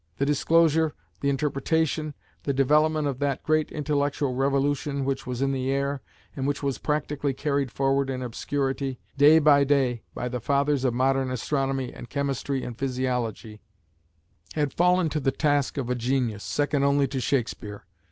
The disclosure, the interpretation, the development of that great intellectual revolution which was in the air, and which was practically carried forward in obscurity, day by day, by the fathers of modern astronomy and chemistry and physiology, had fallen to the task of a genius, second only to Shakespeare.